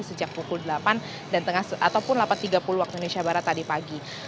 sejak pukul delapan atau delapan tiga puluh waktu indonesia barat tadi pagi